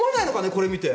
これを見て。